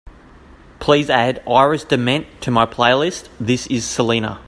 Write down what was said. Please add Iris DeMent to my playlist this is selena